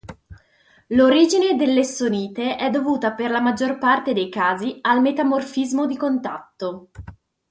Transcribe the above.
L'origine dell'essonite è dovuta per la maggiore parte dei casi al metamorfismo di contatto.